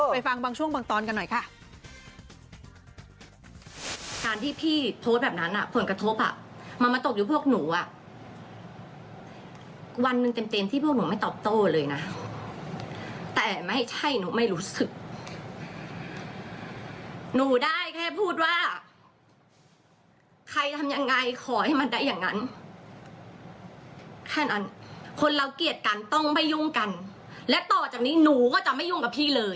ฟังบางช่วงบางตอนกันหน่อยค่ะ